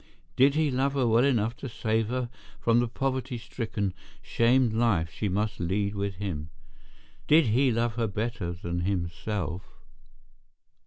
Did he love her well enough to save her from the poverty stricken, shamed life she must lead with him? Did he love her better than himself?